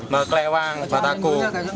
maka kelewang bataku